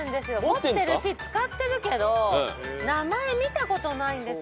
持ってるし使ってるけど名前見たことないんですよ。